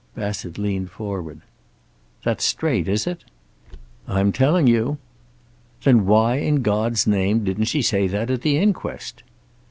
Bassett leaned forward. "That's straight, is it?" "I'm telling you." "Then why in God's name didn't she say that at the inquest?"